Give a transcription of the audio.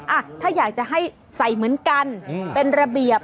อ่ะถ้าอยากจะให้ใส่เหมือนกันเป็นระเบียบ